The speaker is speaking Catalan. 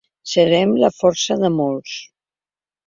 Serem la força de molts.